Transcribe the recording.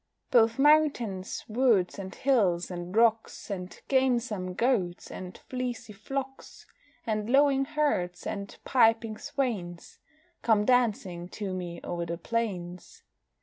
Both mountains, woods, and hills, and rocks And gamesome goats, and fleecy flocks, And lowing herds, and piping swains, Come dancing to me o'er the plains.